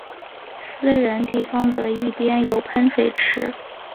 私人地方的一边有喷水池。